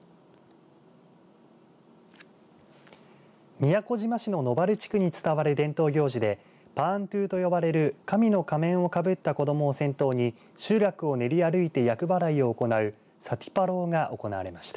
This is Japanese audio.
宮古島市の野原地区に伝わる伝統行事でパーントゥと呼ばれる神の仮面をかぶった子どもを先頭に集落を練り歩いて厄払いを行うサティパロウが行われました。